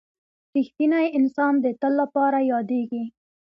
• رښتینی انسان د تل لپاره یادېږي.